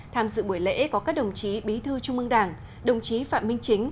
tham dự buổi lễ có các đồng chí bí thư trung mương đảng đồng chí phạm minh chính